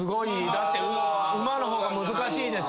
だって馬の方が難しいですもんね。